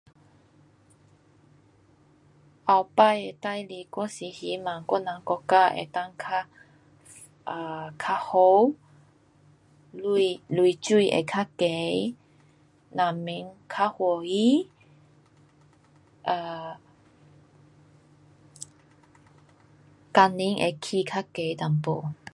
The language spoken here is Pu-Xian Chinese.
以后的事情，我是希望我人国家能够较 um 较好，钱，钱水会较高，人民较欢喜，um 工钱会起较高一点。